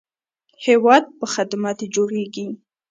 هیواد په خدمت جوړیږي